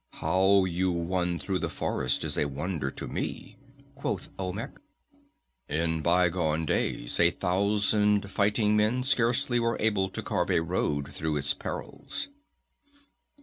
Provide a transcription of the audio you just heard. "How you won through the forest is a wonder to me," quoth Olmec. "In bygone days a thousand fighting men scarcely were able to carve a road through its perils."